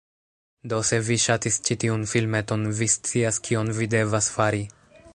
Do se vi ŝatis ĉi tiun filmeton, vi scias, kion vi devas fari: